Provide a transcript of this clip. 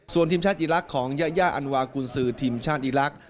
ส่วนทีมชาติอีลักษณ์ของยายาอันวากุญสือทีมชาติอีลักษ